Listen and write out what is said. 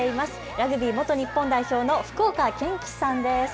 ラグビー元日本代表の福岡堅樹さんです。